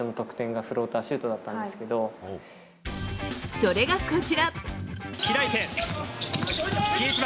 それがこちら。